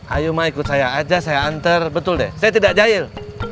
ayo ma ikut saya aja saya antar betul deh saya tidak jahil